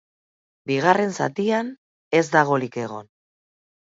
Bigarren zatian ez da golik egon.